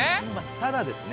ただですね。